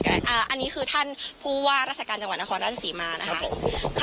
อันนี้คือท่านผู้ว่าราชการจังหวัดนครราชศรีมานะคะ